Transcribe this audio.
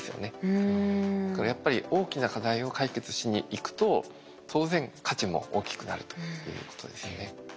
だからやっぱり大きな課題を解決しにいくと当然価値も大きくなるということですよね。